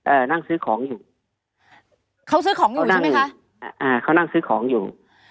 นั่งซื้อของอยู่เขาซื้อของอยู่ใช่ไหมคะอ่าอ่าเขานั่งซื้อของอยู่